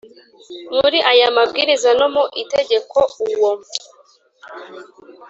muri aya Mabwiriza no mu Itegeko Uwo